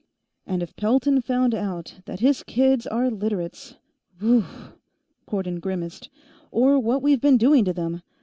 "And if Pelton found out that his kids are Literates Woooo!" Cardon grimaced. "Or what we've been doing to him.